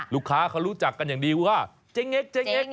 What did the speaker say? ลูกค้าเขารู้จักกันอย่างดีว่าเจ๊เง็กเจ๊เง็ก